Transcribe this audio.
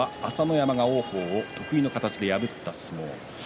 山が王鵬を得意の形で破った相撲。